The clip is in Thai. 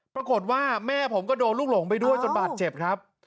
ปรากฏว่าแม่ผมก็โดนลูกหลงไปด้วยจนบาดเจ็บครับ